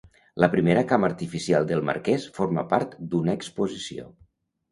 La primera cama artificial del marquès forma part d'una exposició.